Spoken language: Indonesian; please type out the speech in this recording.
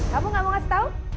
kamu gak mau kasih tahu